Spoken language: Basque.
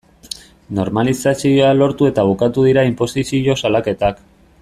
Normalizazioa lortu eta bukatu dira inposizio salaketak.